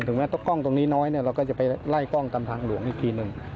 แม้ถ้ากล้องตรงนี้น้อยเราก็จะไปไล่กล้องตามทางหลวงอีกทีหนึ่ง